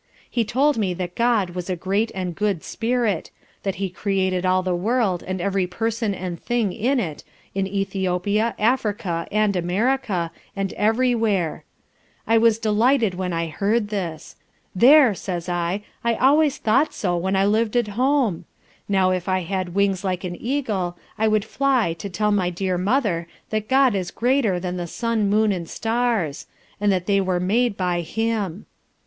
He told me that God was a Great and Good Spirit, that He created all the world, and every person and thing in it, in Ethiopia, Africa, and America, and every where. I was delighted when I heard this: There, says I, I always thought so when I liv'd at home! Now if I had wings like an Eagle I would fly to tell my dear mother that God is greater than the sun, moon, and stars; and that they were made by Him.